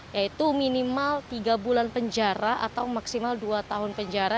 yaitu minimal tiga bulan penjara atau maksimal dua tahun penjara